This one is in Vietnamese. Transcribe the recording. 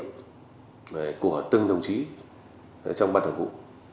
đừng gào với trách nhiệm của từng đồng chí trong ban thường vụ